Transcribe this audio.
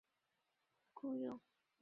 战斗单位的雇用。